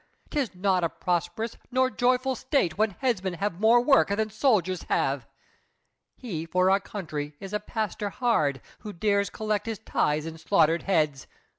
'Tis not a prosperous nor joyful State When headsmen have more work than soldiers have! He for our country is a pastor hard, Who dares collect his tithes in slaughtered heads!